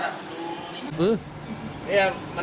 ตั้งหลาตรงมา